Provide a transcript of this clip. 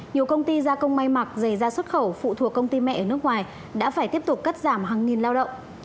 nhiều công ty gia công may mặc giày da xuất khẩu phụ thuộc công ty mẹ ở nước ngoài đã phải tiếp tục cắt giảm hàng nghìn lao động